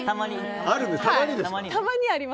たまに。